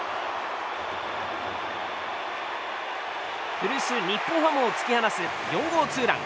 古巣、日本ハムを突き放す４号ツーラン。